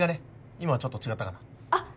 今ちょっと違ったからあっ